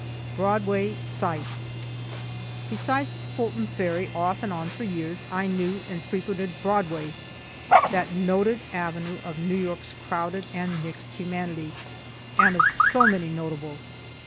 BROADWAY SIGHTS Besides Fulton ferry, off and on for years, I knew and frequented Broadway that noted avenue of New York's crowded and mixed humanity, and of so many notables.